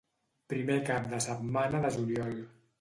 Primer cap de setmana de juliol.